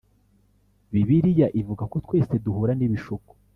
Bibiliya ivuga ko twese duhura n’ibishuko